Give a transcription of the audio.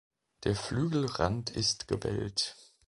Der Flügelrand ist gewellt.